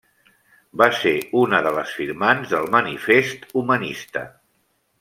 Va ser una de les firmants del Manifest humanista.